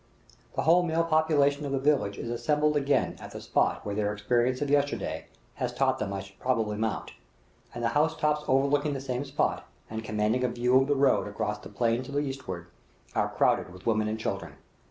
The whole male population of the village is assembled again at the spot where their experience of yesterday has taught them I should probably mount; and the house tops overlooking the same spot, and commanding a view of the road across the plain to the eastward, are crowded with women and children.